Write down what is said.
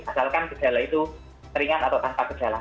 asalkan gejala itu ringan atau tanpa gejala